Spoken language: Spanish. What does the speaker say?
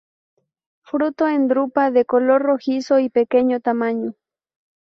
Fruto en drupa de color rojizo y pequeño tamaño.